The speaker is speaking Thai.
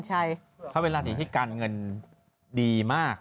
เฉยไม่มาก